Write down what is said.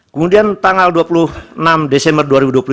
kemudian tanggal dua puluh enam desember dua ribu dua puluh satu